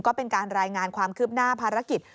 ก็เป็นการรายงานความคืบหน้าภารกิจ